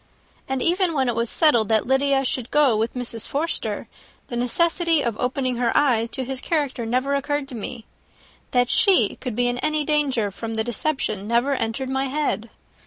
And even when it was settled that Lydia should go with Mrs. Forster, the necessity of opening her eyes to his character never occurred to me. That she could be in any danger from the deception never entered my head.